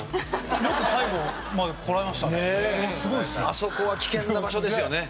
あそこは危険な場所ですよね。